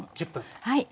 はい。